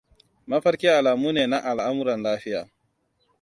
Mafarki alamu ne na al'amuran lafiya.